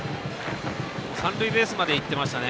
三塁ベースまで行っていました。